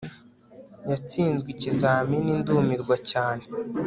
yatsinzwe ikizamini ndumirwa cyane